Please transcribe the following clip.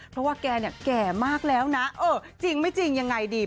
เพราะว่าแกเนี่ยแก่มากแล้วนะเออจริงไม่จริงยังไงดี